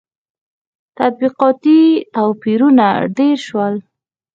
• طبقاتي توپیرونه ډېر شول.